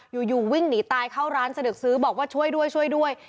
อยู่วิ่งหนีตายเข้าร้านเสด็จซื้อบอกว่าช่วยด้วย